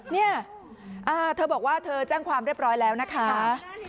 เนี่ยเธอบอกว่าเธอแจ้งความเรียบร้อยแล้วนะคะ